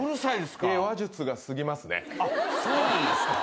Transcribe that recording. そうなんですか。